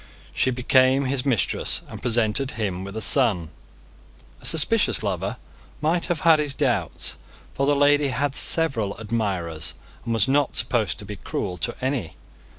She became his mistress, and presented him with a son. A suspicious lover might have had his doubts; for the lady had several admirers, and was not supposed to be cruel to any.